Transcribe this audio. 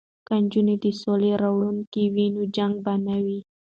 که نجونې د سولې راوړونکې وي نو جنګ به نه وي.